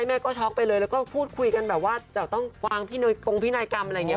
แม่ก็ช็อกไปเลยแล้วก็พูดคุยกันแบบว่าจะต้องวางกงพินัยกรรมอะไรอย่างนี้